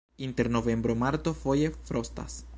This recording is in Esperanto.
Inter novembro-marto foje frostas.